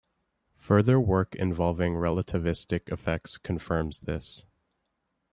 Further work involving relativistic effects confirms this.